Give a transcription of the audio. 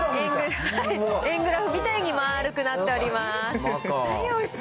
円グラフみたいにまーるくなっております。